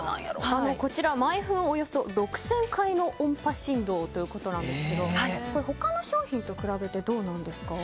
こちら毎分およそ６０００回の音波振動ということでこれ、他の商品と比べてどうなんですか？